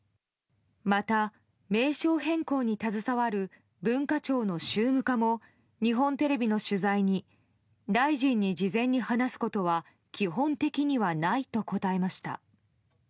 また、名称変更に携わる文化庁の宗務課も日本テレビの取材に大臣に事前に話すことは基本的にはないと答えました。